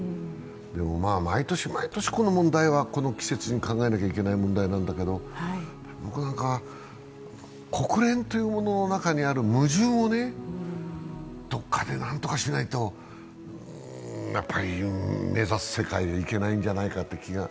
毎年毎年この問題はこの季節に考えなきゃいけない問題なんだけど僕なんか、国連というものの中にある矛盾をどこかで何とかしないとやっぱり目指す世界へいけないんじゃないかという気が